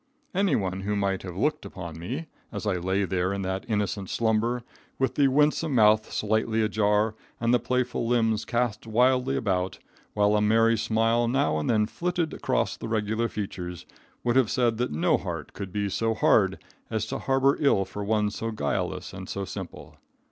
Anyone who might have looked upon me, as I lay there in that innocent slumber, with the winsome mouth slightly ajar and the playful limbs cast wildly about, while a merry smile now and then flitted across the regular features, would have said that no heart could be so hard as to harbor ill for one so guileless and so simple.